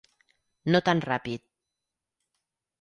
No tan ràpid.